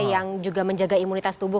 yang juga menjaga imunitas tubuh